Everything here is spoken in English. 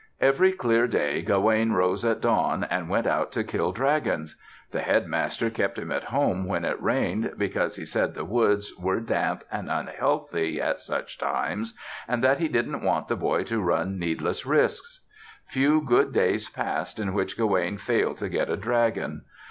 Every clear day Gawaine rose at dawn and went out to kill dragons. The Headmaster kept him at home when it rained, because he said the woods were damp and unhealthy at such times and that he didn't want the boy to run needless risks. Few good days passed in which Gawaine failed to get a dragon.